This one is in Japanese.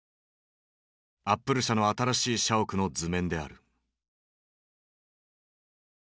アップル社の新しい社屋の図面である。